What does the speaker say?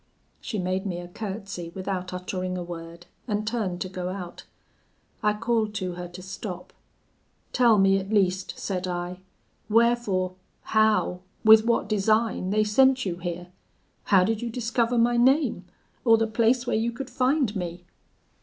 She made me a curtsy without uttering a word, and turned to go out. I called to her to stop: 'Tell me at least,' said I, 'wherefore how with what design they sent you here? how did you discover my name, or the place where you could find me?'